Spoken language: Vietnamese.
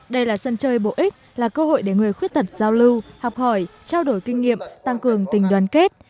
đây là sân chơi bổ ích là cơ hội để người khuyết tật giao lưu học hỏi trao đổi kinh nghiệm tăng cường tình đoàn kết